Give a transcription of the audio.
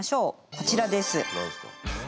こちらです。